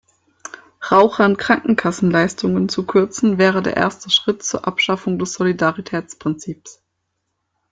Rauchern Krankenkassenleistungen zu kürzen, wäre der erste Schritt zur Abschaffung des Solidaritätsprinzips.